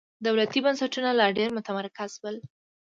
دولتي بنسټونه لا ډېر متمرکز شول.